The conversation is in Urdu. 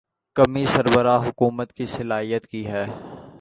کمی سربراہ حکومت کی صلاحیت کی ہے۔